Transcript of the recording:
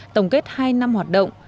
tổng kết hai năm hoạt động